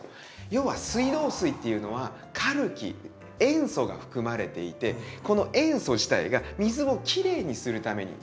要は水道水っていうのはカルキ塩素が含まれていてこの塩素自体が水をきれいにするために。